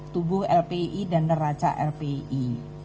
tubuh lpi dan neraca lpi